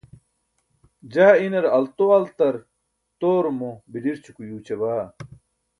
jaa inar altoaltartoorumo biḍirćuko yuuća baa